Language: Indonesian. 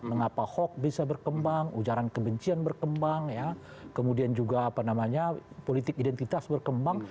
mengapa hok bisa berkembang ujaran kebencian berkembang kemudian juga politik identitas berkembang